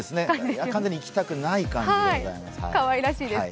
完全に行きたくない感じでございます。